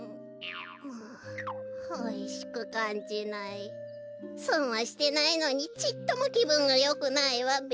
こころのこえそんはしてないのにちっともきぶんがよくないわべ。